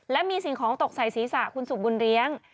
และมีสิ่งของตกใส่ศีรษะคุณสุกบุญเลี้ยง